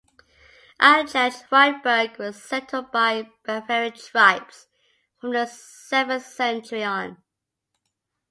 Aichach-Friedberg was settled by Bavarian tribes from the seventh century on.